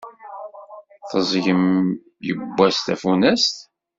Teẓẓgem yewwas tafunast?